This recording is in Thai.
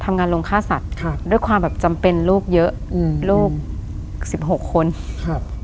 โรงงานลงฆ่าสัตว์ครับด้วยความแบบจำเป็นลูกเยอะอืมลูกสิบหกคนครับ